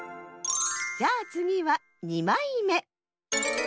じゃあつぎは２まいめ。